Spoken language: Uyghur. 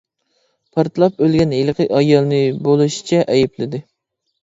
پارتلاپ ئۆلگەن ھېلىقى ئايالنى بولۇشىچە ئەيىبلىدى.